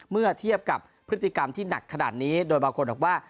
เมื่อเทียบกับพฤติกรรมที่หนักขนาดนี้โดยบางคนบอกว่า